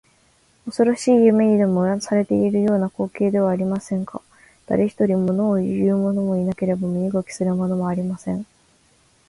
おそろしい夢にでもうなされているような光景ではありませんか。だれひとり、ものをいうものもなければ身動きするものもありません。